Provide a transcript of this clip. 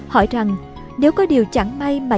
hỏi rằng nếu có điều chẳng may mà